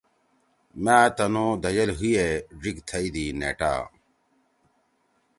مأ تنھو دھئیل حی یے ڙھیِک تھیی دی نیٹا